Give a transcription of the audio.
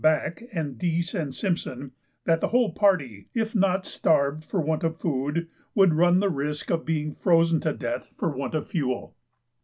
Back and Dease and Simpson), that the whole party, if not starved for want of food, would run the risk of being frozen to death for want of fuel.